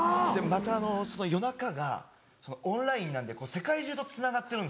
またあのその夜中がオンラインなんで世界中とつながってるんですよ。